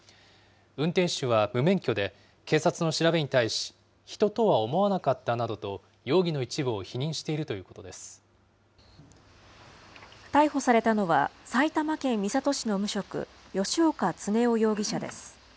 運転手は無免許で、警察の調べに対し、人とは思わなかったなどと、容疑の一部を否認しているという逮捕されたのは、埼玉県三郷市の無職、吉岡恒夫容疑者です。